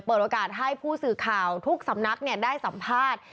เปิดโอกาสให้ผู้สื่อข่าวทุกสำนักได้สัมภาษณ์